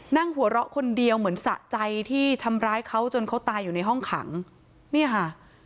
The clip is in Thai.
นั่งหัวเราะคนเดียวเหมือนสะใจที่ทำร้ายเขาจนเขาตายอยู่ในห้องขังเนี่ยค่ะ